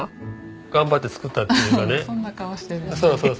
頑張って作ったっていうかね。